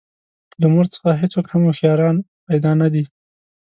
له مور څخه هېڅوک هم هوښیاران پیدا نه دي.